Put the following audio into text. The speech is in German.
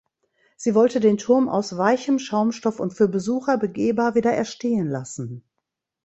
Sie wollte den Turm aus weichem Schaumstoff und für Besucher begehbar wieder erstehen lassen.